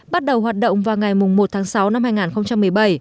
bắt đầu hoạt động vào ngày một tháng sáu năm hai nghìn một mươi bảy